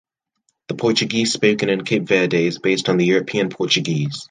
The Portuguese spoken in Cape Verde is based on the European Portuguese.